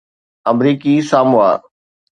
آمريڪي ساموا